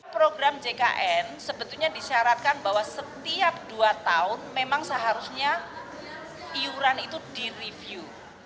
program jkn sebetulnya disyaratkan bahwa setiap dua tahun memang seharusnya iuran itu direview